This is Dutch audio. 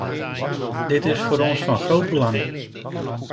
Dit is voor ons van groot belang.